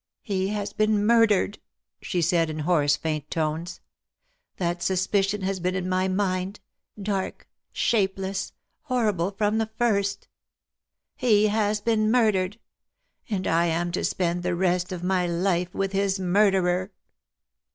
" He has been murdered V' she said, in hoarse, faint tones. '' That suspicion has been in my mind — dark — shapeless — horrible — from the first. He has been murdered ! And I am to spend the rest of my life with his murderer